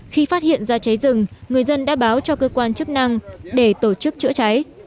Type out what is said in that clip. khi phát hiện ra cháy rừng người dân đã báo cho cơ quan chức năng để tổ chức chữa cháy